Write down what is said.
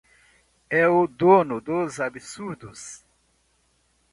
É o dono dos absurdos.